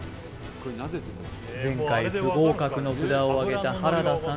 前回不合格の札をあげた原田さん